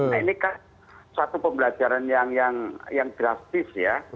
nah ini kan suatu pembelajaran yang drastis ya